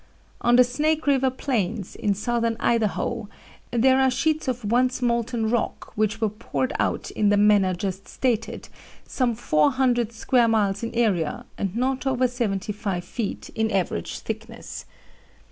On the Snake River plains, in Southern Idaho, there are sheets of once molten rock which were poured out in the manner just stated, some four hundred square miles in area and not over seventy five feet in average thickness.